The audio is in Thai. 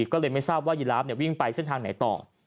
ก็เลยไม่ทราบว่ายีราฟวิ่งไปเส้นทางไหนต่อ